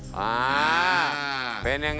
เป็นอย่างไรเป็นอย่างไร